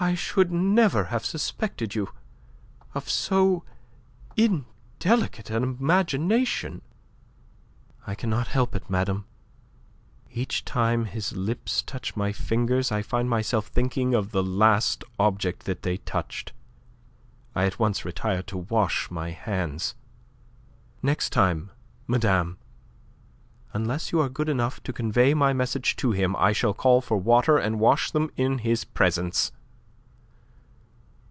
"I should never have suspected you of so indelicate an imagination." "I cannot help it, madame. Each time his lips touch my fingers I find myself thinking of the last object that they touched. I at once retire to wash my hands. Next time, madame, unless you are good enough to convey my message to him, I shall call for water and wash them in his presence."